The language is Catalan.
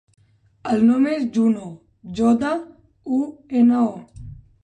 El nom és Juno: jota, u, ena, o.